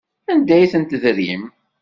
Anda ay ten-tedrim?